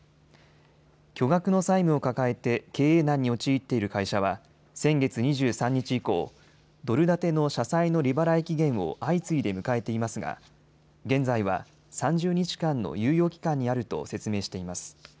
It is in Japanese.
巨額の債務を抱えて経営難に陥っている会社は先月２３日以降、ドル建ての社債の利払い期限を相次いで迎えていますが現在は３０日間の猶予期間にあると説明しています。